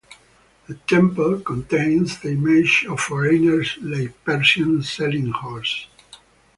The temple contains the images of foreigners like Persians selling horses.